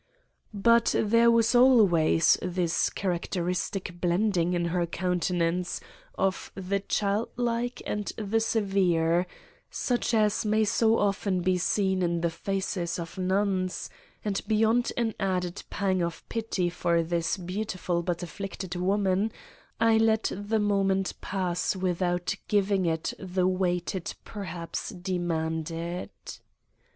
But there was always this characteristic blending in her countenance of the childlike and the severe, such as may so often be seen in the faces of nuns, and beyond an added pang of pity for this beautiful but afflicted woman, I let the moment pass without giving it the weight it perhaps demanded.